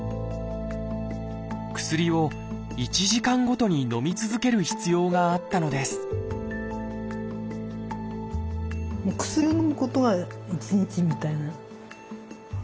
薬を１時間ごとにのみ続ける必要があったのですもう薬をのむことが１日みたいな。